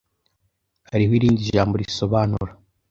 Hariho irindi jambo risobanura?